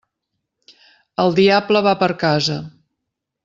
El diable va per casa.